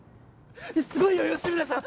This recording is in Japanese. すごいよ吉村さん！